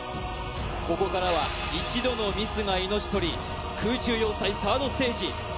ここからは１度のミスが命取り空中要塞サードステージ。